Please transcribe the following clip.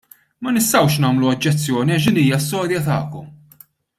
Ma nistgħux nagħmlu oġġezzjoni għax din hija storja tagħkom.